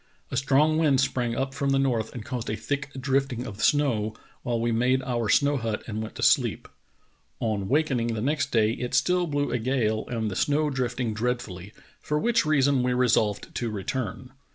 A strong wind sprang up from the north and caused a thick drifting of snow, while we made our snow hut and went to sleep. On wakening the next day it still blew a gale and the snow drifting dreadfully, for which reason we resolved to return.